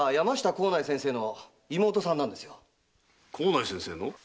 幸内先生の？